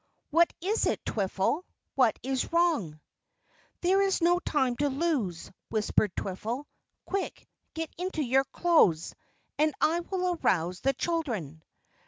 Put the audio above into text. "What is it, Twiffle, what is wrong?" "There is no time to lose," whispered Twiffle. "Quick, get into your clothes, and I will arouse the children."